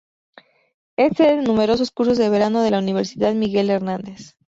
Es sede de numerosos cursos de verano de la Universidad Miguel Hernández.